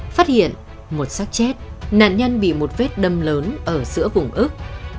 phát hiện một sát chết nạn nhân bị một vết đâm lớn ở giữa vùng ức